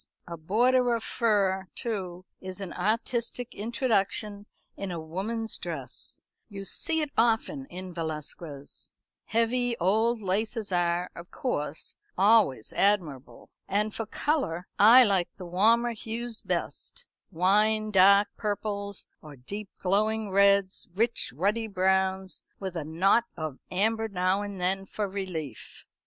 A border of fur, too, is an artistic introduction in a woman's dress you see it often in Velasquez. Heavy old laces are, of course, always admirable. And for colour I like the warmer hues best wine dark purples or deep glowing reds; rich ruddy browns, with a knot of amber now and then for relief."